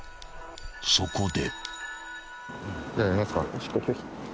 ［そこで］